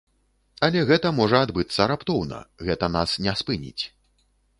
Але гэта можа адбыцца раптоўна, гэта нас не спыніць.